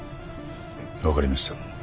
分かりました。